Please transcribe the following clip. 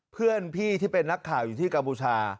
เพื่อนพี่ที่เป็นนักข่าวอยู่ที่กัมพูชา